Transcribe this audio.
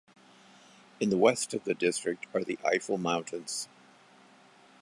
In the west of the district are the Eifel mountains.